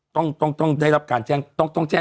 ต้องได้รับการแจ้งความ